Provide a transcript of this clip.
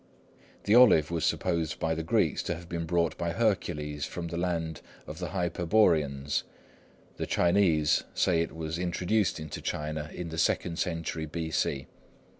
The olive was supposed by the Greeks to have been brought by Hercules from the land of the Hyperboreans; the Chinese say it was introduced into China in the second century B.C.